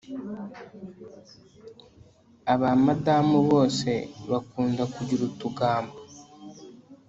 aba madamu bose bakunda kugira utugambo